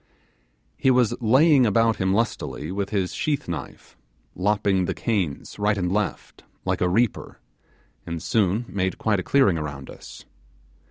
He was laying about him lustily with his sheath knive, lopping the canes right and left, like a reaper, and soon made quite a clearing around us.